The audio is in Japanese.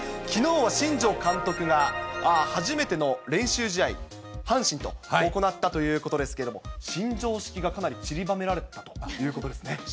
きのうは新庄監督が初めての練習試合、阪神と行ったということですけれども、新庄式がかなりちりばめられていたということですね。